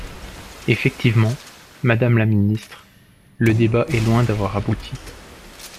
Effectivement, madame la ministre : le débat est loin d’avoir abouti.